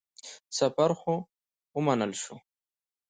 سفر خو ومنل شو.